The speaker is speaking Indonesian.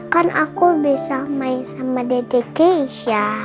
kan aku bisa main sama dedek keisha